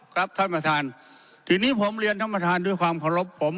ครับท่านประธานทีนี้ผมเรียนท่านประธานด้วยความเคารพผม